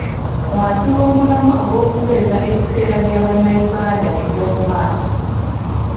Wansi w'omulamwa ogw'okunyweza ebiseera bya Bannayuganda eby'omu maaso.